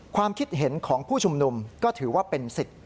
ความคิดเห็นของผู้ชุมนุมก็ถือว่าเป็นสิทธิ์